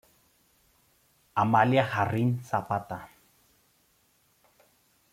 Amalia Jarrín Zapata.